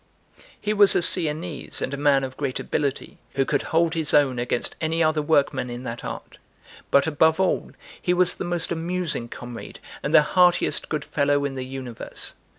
He was a Sienese and a man of great ability, who could hold his own against any other workman in that art; but, above all, he was the most amusing comrade and the heartiest good fellow in the universe.